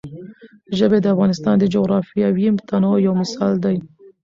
ژبې د افغانستان د جغرافیوي تنوع یو مثال دی.